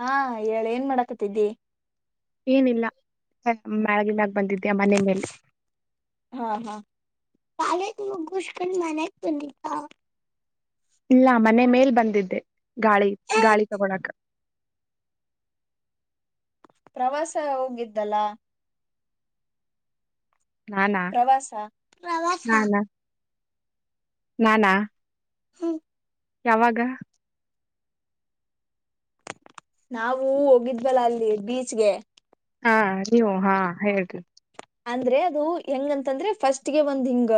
ಹಾ ಹೇಳ್ ಏನ್ ಮಾಡಾಕತಿದ್ದಿ ಏನಿಲ್ಲ ಬೆ ಬೆಳಗಿನಾಗ್ ಬಂದಿಧ್ಯ ಮನೆ ಮೇಲೆ ಹಾ ಹಾ ಕಾಲೇಜ್ ಮುಗುಷ್ಕನ್ ಮನೆಗ್ ಬಂದಿದ್ಯ ಇಲ್ಲ ಮನೆ ಮೇಲ್ ಬಂದಿದ್ದೆ ಗಾಳಿ ಗಾಳಿ ತಗೊಳಕ ಪ್ರವಾಸ ಹೋಗಿದ್ದಲ್ಲ ನಾನಾ ಪ್ರವಾಸ ಪ್ರವಾಸ ನಾನಾ ನಾನಾ ಹ್ಮ ಯಾವಾಗಾ ನಾವು ಹೋಗಿದ್ವಲ್ಲ ಅಲ್ಲಿ ಬೀಚ್ಗೆ ಹಾ ನೀವು ಹಾ ಹೇಳ್ರಿ ಅಂದ್ರೆ ಅದು ಹೆಂಗಂತಂದ್ರೆ ಫಸ್ಟ್ಗೆ ಒಂದ್ ಹಿಂಗ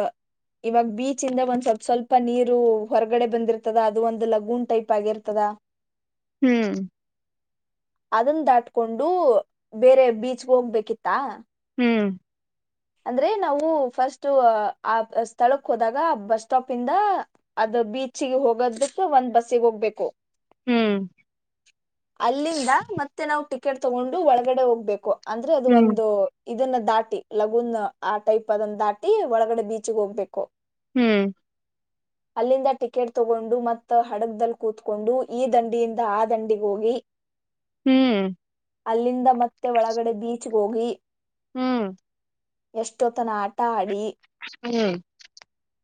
ಇವಾಗ ಬೀಚ್ ಇಂದ ಒಂದ್ ಸ್ವಲ್ಪ ಸ್ವಲ್ಪ ನೀರು ಹೊರಗಡೆ ಬಂದಿರ್ತದ ಅದು ಒಂದು ಲಗೂನ್ ಟೈಪ್ ಆಗಿರ್ತದಾ ಹ್ಮ್ ಅದನ್ನ ದಾಟ್ಕೊಂಡು ಬೇರೆ ಬೀಚ್ಗೆ ಹೋಗ್ಬೇಕಿತ್ತಾ ಹ್ಮ್ ಅಂದ್ರೆ ನಾವು ಫಸ್ಟ್ ಆ ಸ್ಥಳಕ್ ಹೋದಾಗ ಆ ಬಸ್ ಸ್ಟಾಪ್ ಇಂದ ಅದ ಬೀಚ್ಗಿ ಹೋಗದಕ್ ಒಂದ್ ಬಸ್ಸಿಗೆ ಹೋಗ್ಬೇಕು ಹ್ಮ್ ಅಲ್ಲಿಂದ ಮತ್ತೆ ನಾವು ಟಿಕೆಟ್ ತಗೊಂಡು ಒಳಗಡೆ ಹೋಗ್ಬೇಕು ಅಂದ್ರೆ ಅದು ಹ್ಮ್ ಒಂದು ಇದನ್ನ ದಾಟಿ ಲಗುನ್ ಆ ಟೈಪ್ ಅದನ್ನ ದಾಟಿ ಒಳಗಡೆ ಬೀಚ್ಗ ಹೋಗ್ಬೇಕು ಹ್ಮ್ ಅಲ್ಲಿಂದ ಟಿಕೆಟ್ ತೋಗೊಂಡು ಮತ್ತ ಹಡಗ್ದದಲ್ಲಿ ಕೂತ್ಕೊಂಡು ಈ ದಂಡಿಯಿಂದ ಆ ದಂಡಿಗೋಗಿ ಹ್ಮ್ ಅಲ್ಲಿಂದ ಮತ್ತೆ ಒಳಗಡೆ ಬೀಚ್ಗ ಹೋಗಿ ಹ್ಮ್ ಎಷ್ಟೋತನ ಆಟಾ ಆಡಿ ಹ್ಮ್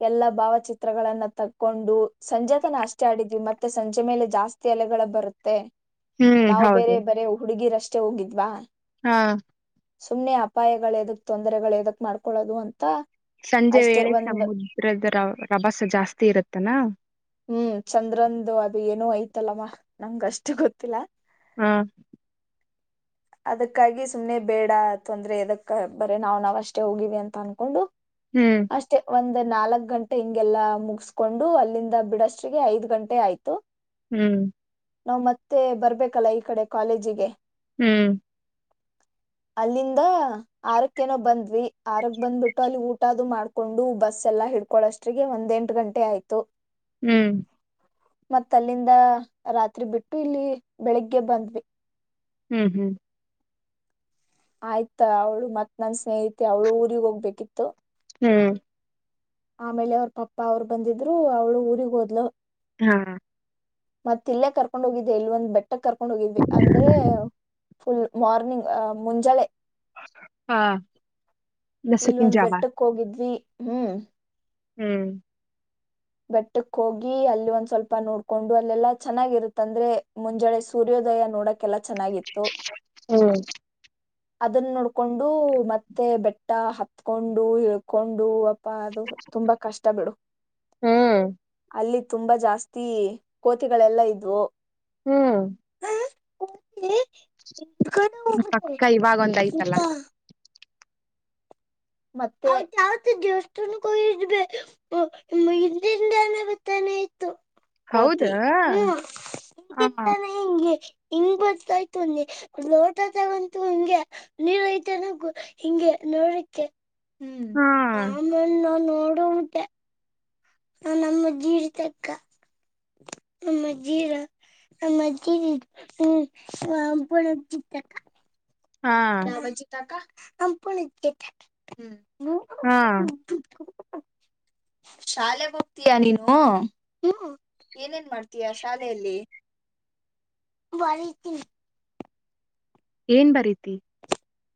ಎಲ್ಲಾ ಭಾವಚಿತ್ರಗಳನ್ನ ತಕ್ಕೊಂಡು ಸಂಜೆತನ ಅಷ್ಟೇ ಆಡಿದ್ವಿ ಮತ್ತೆ ಸಂಜೆ ಮೇಲೆ ಜಾಸ್ತಿ ಅಲೆಗಳ ಬರತ್ತೆ ಹ್ಮ್ ನಾವ್ ಹೌದು ಬೇರೆ ಬರೆ ಹುಡುಗಿರಷ್ಟೇ ಅಷ್ಟೇ ಹೋಗಿದ್ವಾ ಹಾ ಸುಮ್ನೆ ಅಪಾಯಗಳೆದು ತೊಂದರೆಗಳು ಯದಕ್ ಮಾಡ್ಕೊಳ್ಳೋದು ಅಂತಾ ಸಂಜೆ ವೇಳೆ ಸಮುದ್ರದ ರ ರಭಸ ಜಾಸ್ತಿ ಇರುತ್ತಲ್ಲ ಹ್ಮ್ ಚಂದ್ರಾಂದು ಅದು ಏನೋ ಐತಲ್ಲಮ್ಮ ನಂಗ್ ಅಷ್ಟು ಗೊತ್ತಿಲ್ಲಾ ಹ್ಮ ಅದಕ್ಕಾಗಿ ಸುಮ್ನೆ ಬೇಡಾ ತೊಂದ್ರೆ ಯದಕ್ ಬರೆ ನಾವ್ ನಾವ್ ಅಷ್ಟೇ ಹೋಗಿವಿ ಅಂತ ಅನ್ಕೊಂಡು ಹ್ಮ್ ಅಷ್ಟೆ ಒಂದ ನಾಲಕ್ ಗಂಟೆ ಹಿಂಗೆಲ್ಲಾ ಮುಗಸ್ಕೊಂಡು ಅಲ್ಲಿಂದಾ ಬಿಡಷ್ಟಿಗೆ ಐದ್ ಗಂಟೆ ಆಯ್ತು ಹ್ಮ್ ನಾವ್ ಮತ್ತೆ ಬರ್ಬೇಕಲ್ಲಾ ಈ ಕಡೆ ಕಾಲೇಜಿಗೆ ಹ್ಮ್ ಅಲ್ಲಿಂದ ಆರಕ್ಕೆನೋ ಬಂದ್ವಿ ಆರಕ್ ಬಂದ್ಬಿಟ್ಟು ಅಲ್ಲಿ ಊಟಾ ಅದು ಮಾಡ್ಕೊಂಡು ಬಸ್ ಎಲ್ಲಾ ಹಿಡ್ಕೊಳಷ್ಟ್ರಿಗೆ ಒಂದ್ ಎಂಟ್ ಗಂಟೆ ಆಯ್ತು ಹ್ಮ್ ಮತ್ತ ಅಲ್ಲಿಂದ ರಾತ್ರಿ ಬಿಟ್ಟು ಇಲ್ಲಿ ಬೆಳಿಗ್ಗೆ ಬಂದ್ವಿ ಹ್ಮ್ ಹ್ಮ್ ಆಯ್ತಾ ಅವಳು ಮತ್ ನನ್ ಸ್ನೇಹಿತೆ ಅವಳು ಊರಿಗ್ ಹೋಗ್ಬೇಕಿತ್ತು ಹ್ಮ್ ಆಮೇಲೆ ಅವ್ರ್ ಪಪ್ಪ ಅವ್ರು ಬಂದಿದ್ರು ಅವ್ಳು ಊರಿಗ್ ಹೋದ್ಲು ಹಾ ಮತ್ತಿಲ್ಲೆ ಕರ್ಕೊಂಡ್ ಹೋಗಿದ್ದೆ ಇಲ್ಲಿ ಒಂದ್ ಬೆಟ್ ಟ್ಟಕ್ ಕರ್ಕೊಂಡ್ ಹೋಗಿದ್ವಿ ಅಂದ್ರೆ ಫುಲ್ ಮಾರ್ನಿಂಗ್ ಆ ಮುಂಜಳೆ ಹಾ ಇಲ್ ನಸುಕಿನ್ ಒಂದ್ ಜಾವ ಬೆಟ್ಟಕ್ ಹೋಗಿದ್ವಿ ಹ್ಮ್ ಹ್ಮ್ ಬೆಟ್ಟುಕ್ ಹೋಗಿ ಅಲ್ ಒಂದ್ ಸ್ವಲ್ಪ ನೋಡ್ಕೊಂಡು ಅಲ್ಲೆಲ್ಲಾ ಚೆನ್ನಾಗಿರುತ್ ಅಂದ್ರೆ ಮುಂಜಳೆ ಸೂರ್ಯೋದಯ ನೋಡಕ್ ಕೆಲ್ಲ ಚೆನ್ನಾಗಿತ್ತು ಹ್ಮ್ ಅದುನ್ ನೋಡ್ಕೊಂಡು ಮತ್ತೆ ಬೆಟ್ಟ ಹತ್ಕೊಂಡು ಇಳ್ಕೊಂಡು ತಾ ಅದು ತುಂಬಾ ಕಷ್ಟ ಬಿಡು ಹ್ಮ್ ಅಲ್ಲಿ ತುಂಬಾ ಜಾಸ್ತಿ ಕೋತಿಗಳೆಲ್ಲಾ ಇದ್ವು ಹ್ಮ್ ಕೋತೀ ಇಗನ [unintelligible] ಇವಾಗೊಂದ್ ಐತಲ ಮತ್ತೆ ಮತ್ಯಾವತ್ತು ದೇವ್ಸ್ಥಾನುಕ್ ಹೋಗಿದ್ರೆ ಓ ಹಿಂದ್ ಹಿಂದೆನೆ ಬತ್ತಾನೆ ಇತ್ ತ್ತು ಹೌದಾ ಕೋತಿ ಹೂ ಹ ಹಿಂದ್ ಹಾ ಹಿಂದಾನೆ [unintelligible] ಹಿಂಗ್ ಬರ್ತಾ ಇತ್ತು ಅಲ್ಲಿ ಲೋಟ ತಗಂತು ಹಿಂಗೆ ನೀರು ಐತನ ಗೊ ಹಿಂಗೆ ನೋಡಕ್ ಕ್ಕೆ ಹ್ಮ್ ಆಮೇಲ್ ನಾನು ಓಡೋಗ್ಬಿಟ್ಟೆ ಮ್ಮ್ ನಮ್ಮ ಜೀರ್ ತೆಕ್ಕ ನಮ್ಮ ಜೀರ ನಮ್ಮ [unintelligible] ತಕ್ಕ ಹಾ ನಮ್ ಅಜ್ಜಿ ತಾತ ಅಂಪುಣ. [unintelligible] ಹಾ ಶಾಲೆಗ್ ಹೋಗ್ತೀಯಾ ನೀನು ಹೂ ಏನೇನ್ ಮಾಡ್ತೀಯ ಶಾಲೆಯಲ್ಲಿ ಏನ್ ಬರೀತ್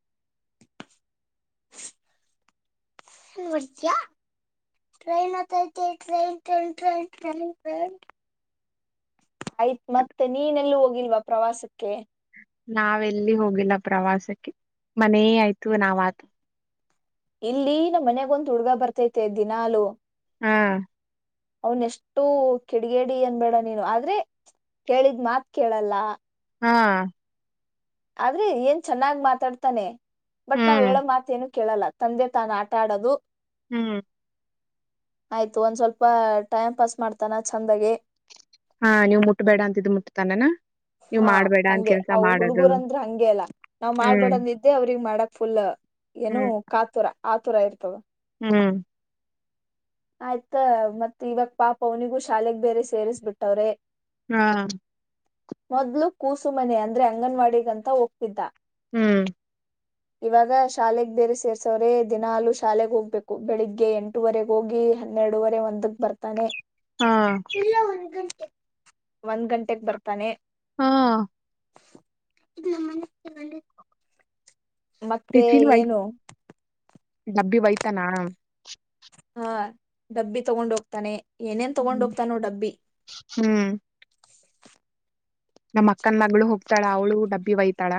[inaudible] ನೋಡ್ತ್ಯಾ ಟೈನ್ ಆತೈತೆ ಟೈನ್ ಟೈನ್ ಟೈನ್ ಟೈನ್ ಟೈನ್ ಆಯ್ತ್ ಮತ್ತೆ ನೀನೆಲ್ಲೂ ಹೋಗಿಲ್ವಾ ಪ್ರವಾಸುಕ್ಕೆ ನಾವೆಲ್ಲಿ ಹೋಗಿಲ್ಲ ಪ್ರವಾಸಕ್ಕೆ ಮನೇ ಆಯ್ತು ನಾವ್ ಆತು ಇಲ್ಲಿ ನಮ್ಮ ಮನ್ಯಾಗೊಂದು ಹುಡ್ಗ ಬರ್ತೈತೆ ದಿನಾಲು ಹಾ ಅವ್ನ್ ಎಷ್ಟು ಕಿಡಿಗೇಡಿ ಅನ್ಬೇಡ ನೀನು ಆದ್ರೆ ಹೇಳಿದ್ ಮಾತ್ ಕೇಳಲ್ಲ ಹಾ ಆದ್ರೆ ಏನ್ ಚೆನ್ನಾಗ್ ಮಾತಾಡ್ತಾನೆ ಬಟ್ ನಾವ್ ಹ್ಮ್ ಹೇಳೋ ಮಾತೇನು ಕೇಳಲ್ಲ ತಂದೆ ತಾನ್ ಆಟಾಡದು ಹ್ಮ್ ಆಯ್ತು ಒಂದ್ ಸ್ವಲ್ಪ ಟೈಮ್ ಪಾಸ್ ಮಾಡ್ತನ ಚಂದಗೆ ಹಾ ನೀವು ಮುಟ್ಟಬೇಡ ಅಂತಿದ್ದ್ ಮುಟ್ಟತಾನನ ಹಾ ಹಂಗೆ ಅವ ಹುಡುಗರಂದ್ರ ಹಂಗೆ ಅಲ್ಲಾ ನಾವ್ ಹ್ಮ್ ಮಾಡ್ಬೇಡಂದಿದ್ದೆ ಅವ್ರಿಗೆ ಮಾಡಕ್ ಫುಲ್ ಏನು ಹ್ಮ್ ಕಾತುರ ಆತುರ ಇರ್ತದ ಹ್ಮ್ ಆಯ್ತಾ ಮತ್ ಇವಾಗ ಪಾಪ ಅವನಿಗೂ ಶಾಲೆಗ್ ಬೇರೆ ಸೇರಿಸ್ಬಿಟ್ಟವ್ರೆ ಹಾ ಮೊದ್ಲು ಕೂಸುಮನೆ ಅಂದ್ರೆ ಅಂಗನವಾಡಿಗಂತ ಹೋಗ್ತಿದ್ದ ಹ್ಮ್ ಇವಾಗ ಶಾಲೆೆಗೆ ಬೇರೆ ಸೇರ್ಸವ್ರೆ ದಿನಾಲು ಶಾಲೆೆಗೆ ಹೋಗ್ಬೇಕು ಬೆಳಿಗ್ಗೆ ಎಂಟುವರೆಗ್ ಹೋಗಿ ಹನ್ನೆರಡುವರೆ ಒಂದಕ್ ಬರ್ತಾನೆ ಹಾ ಇಲ್ಲ ಒಂದ್ ಗಂಟೆ ಒಂದ್ ಗಂಟೆೆಗೆ ಬರ್ತಾನೆ ಹಾ ಇ ನ ಮನಗಿ [unintelligible] ಮತ್ತೆ ಏನು ನಬ್ಬಿ ಒಯ್ತಾನ ಹಾ ಡಬ್ಬಿ ತಗೊಂಡ್ ಹೋಗ್ತಾನೆ ಏನೇನ್ ತಗೊಂಡ್ ಹೋಗ್ತಾನು ಡಬ್ಬಿ ನಮ್ಮ ಅಕ್ಕನ ಮಗಳ ಹೋಗ್ತಾಳ ಅವಳು ಡಬ್ಬಿ ಒಯ್ತಾಳ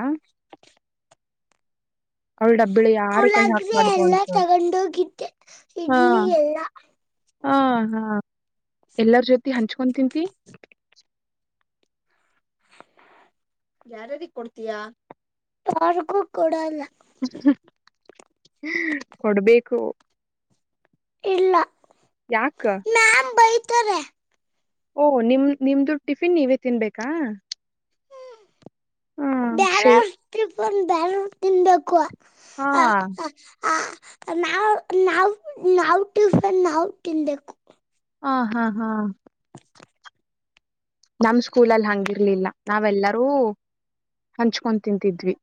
ಅವಳ ಡಬ್ಬಿಳ ಯಾರು ಕೈ ಪುಳಗಿ ಹಾಕ್ಬಾರ್ದು ಎಲ್ಲಾ ಅಂತ ತಗೊಂಡ ಹೋಗಿದ್ದೆ ಹಾ ಇಡ್ಲಿ ಎಲ್ಲಾ ಹಾ ಹಾ ಎಲ್ಲರ ಜೊತ್ ಹಂಚ್ಕೊಂತಿಂತಿ ಯಾರ್ಯಾರಿಗೆ ಕೊಡ್ತೀಯಾ ಯಾರ್ಗೂ ಕೊಡಲ್ಲ ಕೊಡ್ಬೇಕು ಇಲ್ಲ ಯಾಕ ತ್ತರೆ ಓ ನಿಮ್ ನಿಮ್ದು ಟಿಫಿನ್ ನೀವೇ ತಿನ್ಬೇಕಾ ಹ್ಮ್ ಾರ ಶೇ [unintelligible] ಒಂದು ಬೇರ್ಯಾರಾ ತಿನ್ಬೇಕು ಹಾ ಹಾ ಹಾ ನಾವ್ ನಾವ್ ನಾವು ಟಿಫನ್ ನಾವು ತಿನ್ಬೇಕು ಹಾ ಹಾ ಹಾ ನಮ್ ಸ್ಕೂಲ ಅಲ್ಲಿ ಹಂಗಿರ್ಲಿಲ್ಲ ನಾವೆಲ್ಲರೂ ಹಂಚ್ಕೊ ತಿಂತಿದ್ವಿ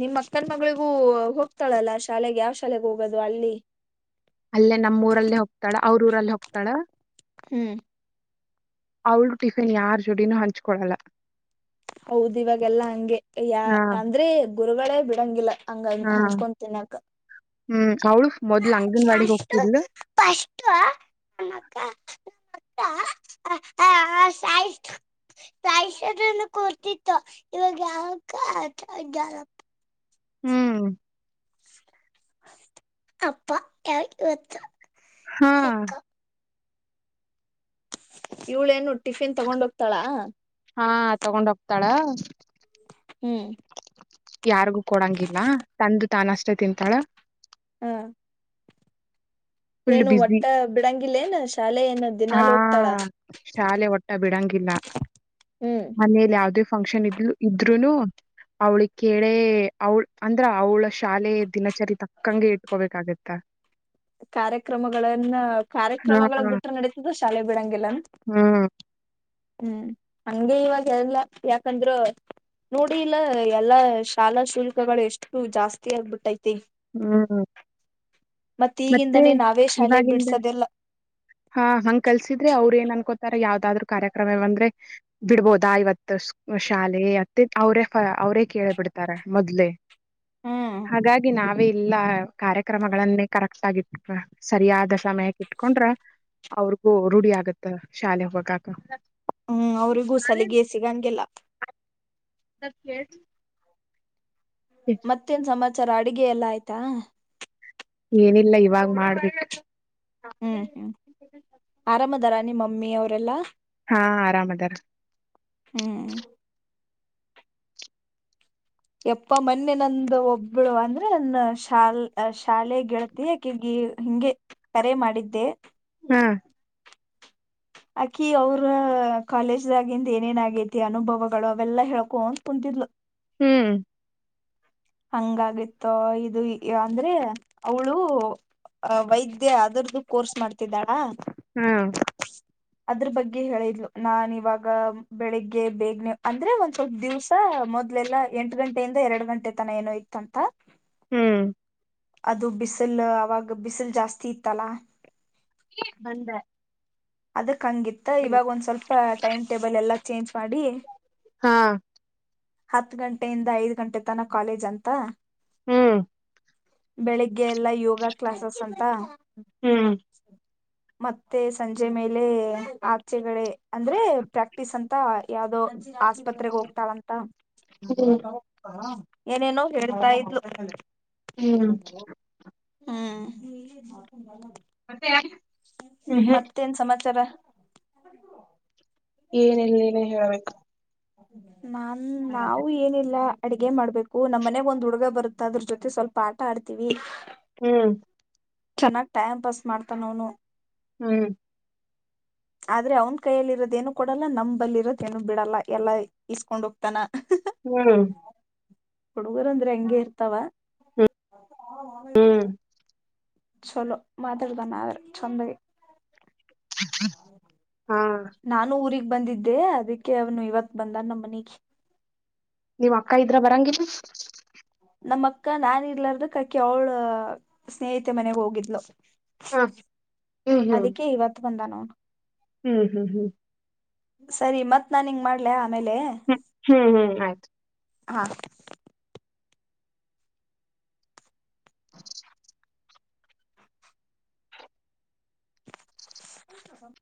ನಿಮ್ ಅಕ್ಕನ್ ಮಗಳಿಗೂ ಹೋಗ್ತಾಳಲ್ಲ ಶಾಲೆಗೆ ಯಾವ್ ಶಾಲೆಗೆ ಹೋಗೋದು ಅಲ್ಲಿ ಅಲ್ಲೇ ನಮ್ಮೂ ಊರಲ್ಲೇ ಹೋಗ್ತಾಳ ಅವ್ರ ಊರಲ್ಲ ಹೋಗ್ತಾಳ ಹ್ಮ್ ಅವಳು ಟಿಫಿನ್ ಯಾರ್ ಜೋಡಿನೂ ಹಂಚ್ಕೊಳ್ಳಲ್ಲ ಹೌದ ಇವಾಗೆಲ್ಲಾ ಹಂಗೆ ಹಾ ಅಂದ್ರೆ ಗುರುಗಳೇ ಬಿಡಂಗಿಲ್ಲ ಹಂಗೆ ಹಾ ಅಂಚ್ಚ್ಕೊಂಡು ತಿನ್ನಕ್ಕ ಹ್ಮ್ ಅವಳು ಮೊದ್ಲು ಅಂಗನವಾಡಿಗೆ ಹೋಗ್ತಿದ್ಲು [unintelligible] [unintelligible] ಕೊಡ್ತಿತ್ತು ಇವಾಗ ಯಾಕೆ [unintelligible] ಹ್ಮ್ ಅಪ್ಪ ಯಾವ ಇವತ್ತು ಹಾ ಇವ್ಳೇನು ಟಿಫಿನ್ ತಗೊಂಡ್ ಹೋಗ್ತಾಳಾ ಹಾ ತಗೊಂಡ್ ಹೋಗ್ತಾಳ ಹ್ಮ್ [inaudible] ಯಾರಿಗು ಕೊಡಂಗಿಲ್ಲ ತಂದು ತಾನ ಅಷ್ಟೇ ತಿಂತಾಳ ಹ್ಮ್ ಫುಲ್ ಏನು ಬಿಸಿ ಒಟ್ಟ ಬಿಡಂಗಿಲ್ಲೇ ಏನ್ ಶಾಲೆ ಏನು ಹಾ ದಿನಾಲೂ ಹೋಗ್ತಾಳ ಇಲ್ಲ ಹ್ಮ್ ಮನೇಲಿ ಯಾವುದೇ ಫಂಕ್ಷನ್ ಇದ್ ಇದ್ರುನು ಅವ್ಳಿ ಕೆೇಳೆ ಅವಳ ಅಂದ್ರ ಅವಳ ಶಾಲೆ ದಿನಚರಿ ತಕ್ಕಂಗೆ ಇಟ್ಕೋಬೇಕಾಗತ್ತ ಕಾರ್ಯಕ್ರಮಗಳನ್ನ ಹಾ ಕಾರ್ಯಕ್ರಮಗಳು ಬಿಟ್ರ ನಡೀತಿದ್ದ ಶಾಲೆ ಬಿಡಂಗಿಲ್ಲ ಹ್ಮ್ ಹ್ಮ್ ಹಂಗೆ ಇವಾಗ ಎಲ್ಲ ಯಾಕಂದ್ರ ನೋಡಿ ಇಲ್ಲ ಎಲ್ಲಾ ಶಾಲಾ ಶುಲ್ಕಗಳು ಎಷ್ಟು ಜಾಸ್ತಿ ಆಗ್ಬಿಟ್ಟೈತಿ ಹ್ಮ್ ಮತ್ತೆ ಮತ್ತೀಗಿಂದನೇ ನಾವೇ ಶಾಲೆ ಇವಾಗಿಂದ ಬಿಡ್ಸದೆಲ್ಲ ಹಾ ಹಂಗ್ ಕಲ್ಸಿದ್ರೆ ಅವ್ ಏನ್ ಅನ್ಕೋತಾರ ಯಾವ್ದಾದ್ರು ಕಾರ್ಯಕ್ರಮ ಬಂದ್ರೆ ಬಿಡ್ಬೋದಾ ಇವತ್ತು ಶಾಲೆ ಅತ್ತೆ ಅವ್ರೇ ಅವ್ರೇ ಕೇಳ ಬಿಡ್ತಾರ ಮೊದ್ಲೆ ಹ್ಮ್ ಹಾಗಾಗಿ ನಾವೇ ಇಲ್ಲ ಕಾರ್ಯಕ್ರಮಗಳನ್ನೇ ಕರೆಕ್ಟ್ ಆಗ ಇಟ್ ಸರಿಯಾದ ಸಮಯಕ್ಕೆ ಇಟ್ಕೊಂಡ್ರ ಅವ್ರಿಗೂ ರೂಢಿ ಆಗತ್ತ ಶಾಲೆ ಹೋಗಕ ಹ್ಮ್ ಅವ್ರಿಗೂ ಸಾಲಿಗೆೇಸಿಗಂಗೆಲ್ಲ ಸ ಕೇಳ್ ಮತ್ತೇನ್ ಸಮಾ ಆಚರ ಅಡುಗೆ ಎಲ್ಲ ಆಯ್ತಾ ಏನಿಲ್ಲ ಇವಾಗ ಮಾಡ್ಬೇಕಿಕ್ ಹ್ಮ್ ಹ್ಮ್ ಆರಾಮ ದರ ಮಮ್ಮಿ ಅವರೆಲ್ಲಾ ಹಾ ಆರಾಮ್ ಅದಾರ ಹ್ಮ್ ಎಪ್ಪ ಮನ್ನಿ ನಂದು ಒಬ್ಬಳು ಅಂದ್ರೆ ನನ್ನ ಶಾಲ್ ಶಾಲೆ ಗೆಳತಿ ಯಾಕೆಗಿ ಹಿಂಗೆ ಕರೆ ಮಾಡಿದ್ದೆ ಹಾ ಆಕಿ ಅವ್ರ ಕಾಲೇಜ್ದಾಗಿಂದ ಏನೇನ್ ಆಾಗೇತಿ ಅನುಭವಗಳು ಅವೆಲ್ಲಾ ಹೇಳ್ಕೊ ಅಂತ ಕುಂತಿದ್ಲು ಹ್ಮ್ ಹಂಗಾಗಿತ್ತೋ ಇದು ಅಂದ್ರೆ ಅವಳು ಅ ವೈದ್ಯ ಅದರ್ದು ಕೋರ್ಸ್ ಮಾಡ್ತಿದ್ದಾಳಾ ಹ್ಮ ಅದ್ರ ಬಗ್ಗೆ ಹೇಳಿದ್ಲು ನಾನ್ ಇವಾಗ ಬೆಳಿಗ್ಗೆ ಬೇಗ್ನೆ ಅಂದ್ರೆ ಒಂದ್ ಸ್ವಲ್ಪ ದಿವ್ಸ ಮೊದ್ಲೆಲ್ಲ ಎಂಟು ಗಂಟೆಯಿಂದ ಎರಡ್ ಗಂಟೆ ತನ ಏನೋ ಇತ್ತಂಥ ಹ್ಮ್ ಅದು ಬಿಸಿಲ್ ಅವಾಗ ಬಿಸಿಲ್ ಜಾಸ್ತಿ ಇತ್ತಲಾ ಬಂದ ಅದಕ್ಕೆ ಕಂಗಿತ್ತ ಇವಾಗ ಒಂದ್ ಸ್ವಲ್ಪ ಟೈಮ್ ಟೇಬಲ್ ಎಲ್ಲ ಚೇಂಜ್ ಮಾಡಿ ಹಾ ಹತ್ ಗಂಟೆಯಿಂದ ಐದ್ ಗಂಟೆ ತನ ಕಾಲೇಜ್ ಅಂತ ಹ್ಮ್ ಬೆಳಿಗ್ಗೆ ಎಲ್ಲಾ ಯೋಗ ಕ್ಲಾಸಸ್ ಅಂತ ಹ್ಮ್ ಮತ್ತೆ ಸಂಜೆ ಸಂಜೆ ಮೇಲೆ ಆಚೆಗಡೆ ಅಂದ್ರೆ ಪ್ರಾಕ್ಟೀಸ್ ಅಂತ ಯಾವುದೋ ಆಸ್ಪತ್ರೆಗೆ ಹೋಗ್ತಾಳಂತ ಹ್ಮ್ ಏನೇನೋ ಹೇಳ್ತಾ ಇದ್ಲು [inaudible] ಹ್ಮ್ ಹ್ಮ್ [inaudible] [inaudible] ಹ್ಮ ಹ [unintelligible] ಏನೆಲ್ಲ ನೀನೇ ಹೇಳ ಬೇಕು [inaudible] ನಾ ನಾವು ಏನಿಲ್ಲ ಅಡಗೆ ಮಾಡ್ಬೇಕು ನಮ್ಮ್ ಮನೆ ಒಂದ್ ಹುಡುಗ ಬರುತ್ತ ಅದ್ರ ಜೊತೆ ಸ್ವಲ್ಪ ಆಟ ಆಡ್ತೀವಿ ಹ್ಮ್ ಚೆನ್ನಾಗ್ ಟೈಮ್ ಪಾಸ್ ಮಾಡ್ತಾನ ಅವನು ಹ್ಮ್ ಆದ್ರೆ ಅವ್ನ್ ಕೈಯಲ್ಲಿ ಇರೋದೇನು ಕೊಡಲ್ಲ ನಮ್ಮಬಲ್ಲಿ ಇರೋದೇನನು ಬಿಡಲ್ಲ ಎಲ್ಲಾ ಇಸ್ಕೊಂಡ್ ಹೋಗ್ತಾನ ಹ್ಮ ಹುಡುಗರು ಅಂದ್ರೆ ಹೆಂಗೆ ಇರ್ತಾವ ಹಾ ಹ ಹ್ಮ್ ಚಲೋ ಮಾತಾಡತನ ಆದ್ರ ಚಂದಗೆ ಹಾ ನಾನು ಊಗ್ ಬಂದಿದ್ದೆ ಅದಕ್ಕೆ ಅವನು ಇವತ್ ಬಂದ ನಮ್ಮ ಮನಗೆ ನೀವ್ ಅಕ್ಕ ಇದ್ರ ಬರಂಗಿಲ್ಲ ನಮ್ಮ ಅಕ್ಕ ನಾ ಇರ್ಲಾರ್ದ ಆಕಿ ಅವಳ ಸ್ನೇಹಿತೆ ಮನೆಗ್ ಹೋಗಿದ್ಲು ಹಾ ಹ್ಮ್ ಹ್ಮ್ ಅದಕ್ಕೆೇ ಇವತ್ತು ಬಂದಾನು ಹ್ಮ್ ಹ್ಮ್ ಹ್ಮ್ ಸರಿ ಮತ್ ನಾನ್ ನಿಂಗ್ ಮಾಡ್ಲ ಹ್ಮ್ ಹ್ಮ್ ಹ್ಮ್ ಆಯ್ತು ಹಾ ಹಕ